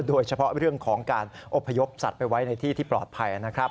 โดยเฉพาะเรื่องของการอบพยพสัตว์ไปไว้ในที่ที่ปลอดภัยนะครับ